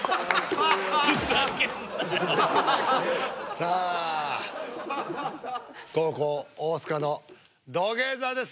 さあ後攻大須賀の土下座です